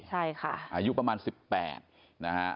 ใช่ค่ะอายุประมาณ๑๘นะฮะ